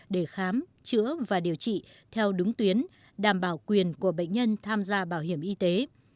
để khám chữa và điều trị theo đúng tuyến đảm bảo quyền của bệnh nhân tham gia bảo hiểm y tế